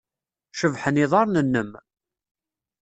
Cebḥen yiḍarren-nnem.